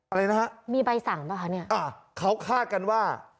อะไรนะฮะมีใบสั่งป่ะคะเนี่ยเขาคาดกันว่า